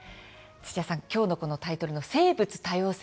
土屋さん、きょうのタイトル生物多様性